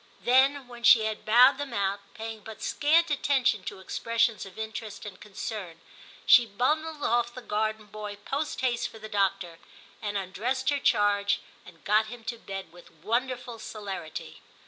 * Then, when she had bowed them out, paying but scant attention to expressions of interest and concern, she bundled off the garden boy post haste for the doctor, and undressed her charge and got him to bed with wonderful celerity.